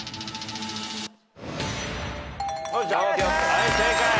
はい正解。